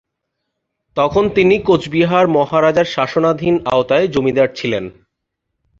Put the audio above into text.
তখন তিনি কোচবিহার মহারাজার শাসনাধীন আওতায় জমিদার ছিলেন।